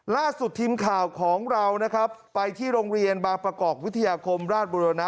ล่าสุดทีมข่าวของเรานะครับไปที่โรงเรียนบางประกอบวิทยาคมราชบุรณะ